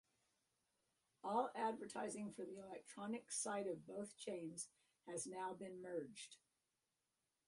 All advertising for the electronics side of both chains has now been merged.